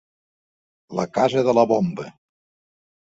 La Casa de la Bomba.